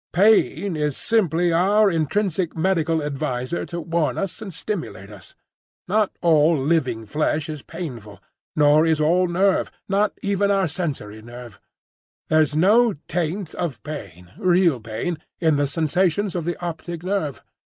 Pain is simply our intrinsic medical adviser to warn us and stimulate us. Not all living flesh is painful; nor is all nerve, not even all sensory nerve. There's no taint of pain, real pain, in the sensations of the optic nerve.